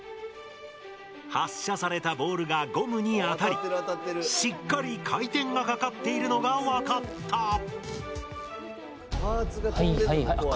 発射されたボールがゴムに当たりしっかり回転がかかっているのが分かった。